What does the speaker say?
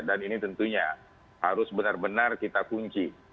dan ini tentunya harus benar benar kita kunci